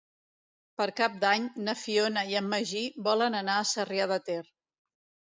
Per Cap d'Any na Fiona i en Magí volen anar a Sarrià de Ter.